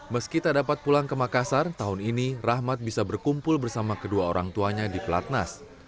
meski tak dapat pulang ke makassar tahun ini rahmat bisa berkumpul bersama kedua orang tuanya di pelatnas